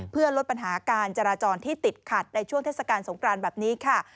เพื่อลดปัญหาการจราจรที่ติดขัดในช่วงเทศกาลสงครานแบบนี้ค่ะ